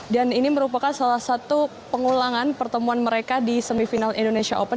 dan ini merupakan salah satu pengulangan pertemuan mereka di semifinal indonesia open